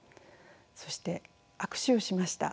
そして握手をしました。